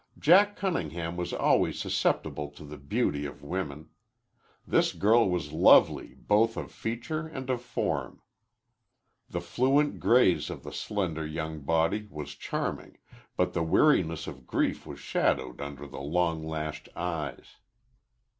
Jack Cunningham was always susceptible to the beauty of women. This girl was lovely both of feature and of form. The fluent grace of the slender young body was charming, but the weariness of grief was shadowed under the long lashed eyes.